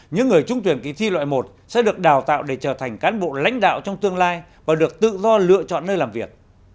những người trung tuyển kỳ thi loại một sẽ được đào tạo để trở thành cán bộ lãnh đạo trong tương lai và được tự do lựa chọn nơi làm việc